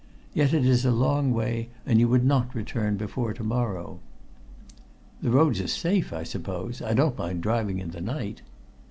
Yet it is a long way, and you would not return before to morrow." "The roads are safe, I suppose? I don't mind driving in the night."